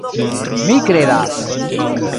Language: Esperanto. Mi kredas!